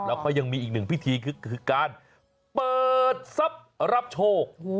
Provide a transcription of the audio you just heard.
แล้วก็ยังมีอีกหนึ่งพิธีคือการเปิดทรัพย์รับโชค